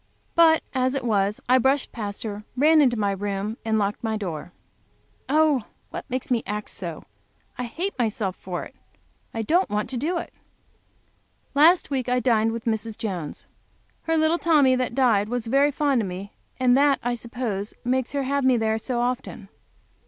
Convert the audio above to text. But as it was I brushed past, ran into my room, and locked my door. Oh, what makes me act so! I hate myself for it, I don't want to do it! Last week I dined with Mrs. Jones. Her little Tommy was very fond of me, and that, I suppose, makes her have me there so often.